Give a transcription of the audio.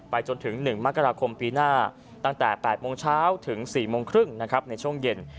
จนถึง๑มกราคมปีหน้าตั้งแต่๘โมงเช้าถึง๔โมงครึ่งนะครับในช่วงเย็น